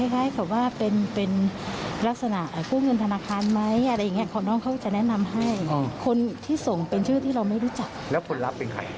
คนรับก็เป็นชื่อเราค่ะ